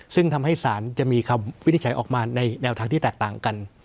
ซึ่งทำให้สารจะมีคำวินิจฉัยออกมาในแนวทางที่แตกต่างกัน